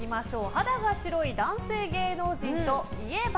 肌が白い男性芸能人といえば？